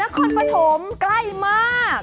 ใกล้มาก